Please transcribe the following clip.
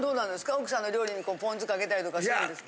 奥さんの料理にポン酢かけたりとかするんですか。